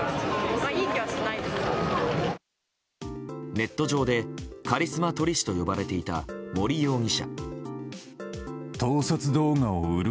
ネット上でカリスマ撮り師と呼ばれていた森容疑者。